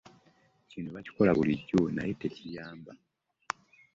Kino bakikola bulijjo naye tekiyamba.